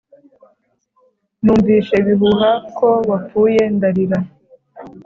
Numvishe ibihuha ko wapfuye ndarira